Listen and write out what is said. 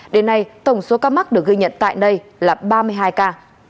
đến nay tổng số ca mắc được ghi nhận tại đây là ba mươi hai ca